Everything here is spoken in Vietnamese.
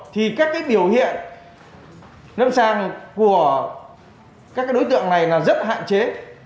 thì các cái biểu hiện nâng sàng của các cái đối tượng này là rất hạn chế